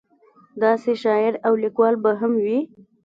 داسې شاعر او لیکوال به هم وي.